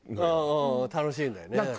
うんうん楽しいんだよね。